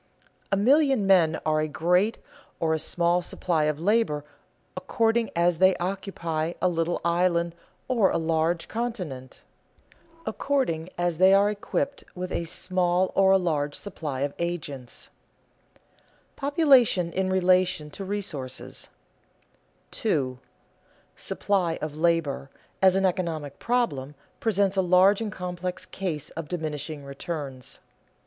A million men are a great or a small supply of labor according as they occupy a little island or a large continent, according as they are equipped with a small or a large supply of agents. [Sidenote: Population in relation to resources] 2. _"Supply of labor," as an economic problem, presents a large and complex case of diminishing returns.